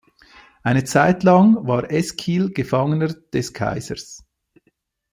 Eine Zeit lang war Eskil Gefangener des Kaisers.